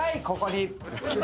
ここに。